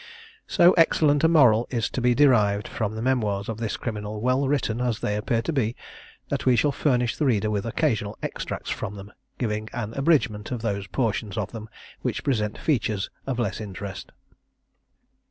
So excellent a moral is to be derived from the memoirs of this criminal, well written as they appear to be, that we shall furnish the reader with occasional extracts from them, giving an abridgment of those portions of them which present features of less interest.